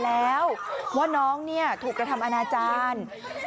แล้วว่าน้องถูกกระทำอนาจารย์